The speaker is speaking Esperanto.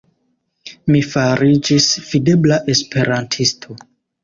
Mi fariĝis videbla esperantisto.